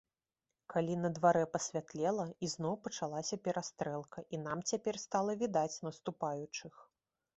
Калі на дварэ пасвятлела, ізноў пачалася перастрэлка, і нам цяпер стала відаць наступаючых.